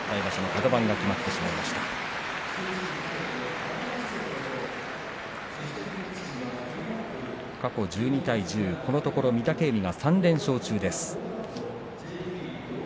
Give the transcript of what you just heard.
この２人は過去１２対１０このところ御嶽海が３連勝中です。